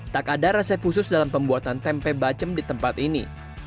tak ada resep khusus dalam pembuatan tempe bacem di tempat ini